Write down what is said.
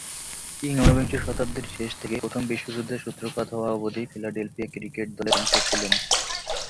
King উনবিংশ শতাব্দীর শেষ থেকে প্রথম বিশ্বযুদ্ধের সূত্রপাত হওয়া অবধি ফিলাডেলফিয়া ক্রিকেট দলের অংশ ছিলেন।